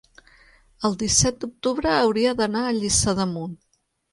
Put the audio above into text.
el disset d'octubre hauria d'anar a Lliçà d'Amunt.